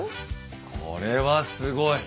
これはすごい。